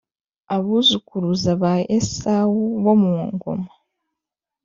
Abuzukuruza ba Esawu bo mu Ngoma